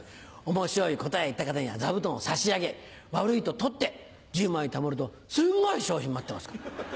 面白い答え言った方には座布団を差し上げ悪いと取って１０枚たまるとすっごい賞品待ってますから。